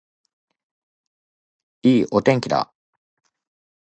いいお天気だ